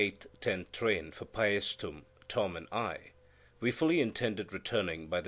10 train for Pæstum, Tom and I, we fully intended returning by the 2.